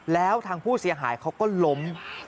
แล้วทางผู้เสียหายเขาก็ล้ม